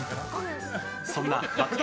そんな爆弾